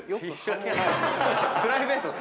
プライベートで？